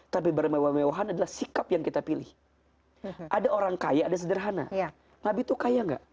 tapi bermewah mewahan adalah sikap yang kita pilih ada orang kaya ada sederhana nabi tuh kaya gak